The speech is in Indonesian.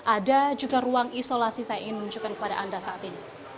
ada juga ruang isolasi saya ingin menunjukkan kepada anda saat ini